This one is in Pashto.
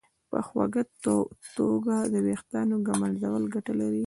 په خوږه توګه د ویښتانو ږمنځول ګټه لري.